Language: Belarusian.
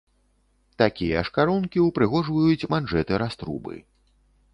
Такія ж карункі ўпрыгожваюць манжэты-раструбы.